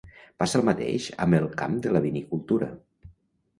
Passa el mateix amb el camp de la vinicultura.